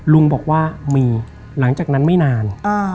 ลุงบอกว่ามีหลังจากนั้นไม่นาน